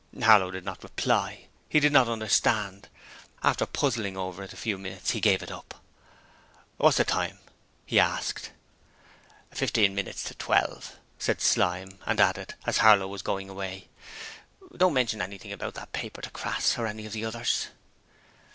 Harlow did not reply. He did not understand. After puzzling over it for a few minutes, he gave it up. 'What's the time?' he asked. 'Fifteen minutes to twelve,' said Slyme and added, as Harlow was going away: 'Don't mention anything about that paper to Crass or any of the others.'